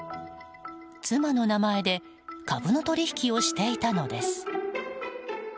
妻の名前で株の取引をしていたのです。